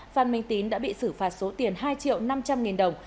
phan minh tín đã bị xử phạt số tiền hai triệu năm trăm linh nghìn đồng